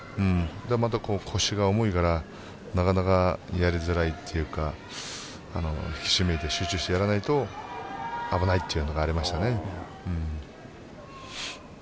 腰が重いからなかなかやりづらいというか引き締めて集中してやらないと危ないというのがありましたね。